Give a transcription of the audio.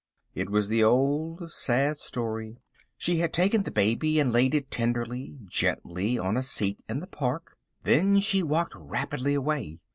It was the old sad story. She had taken the baby and laid it tenderly, gently on a seat in the park. Then she walked rapidly away.